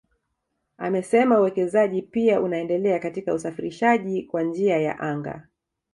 Amesema uwekezaji pia unaendelea katika usafirishaji kwa njia ya anga